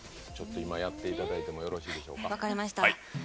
やっていただいてもよろしいですか。